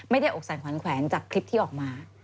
อกสั่นขวัญแขวนจากคลิปที่ออกมา